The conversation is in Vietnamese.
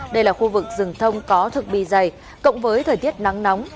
đây là khu vực rừng thông có thực bì dày cộng với thời tiết nắng nóng